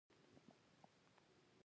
د ژوند ښه کولو لپاره ټکنالوژي وکاروئ.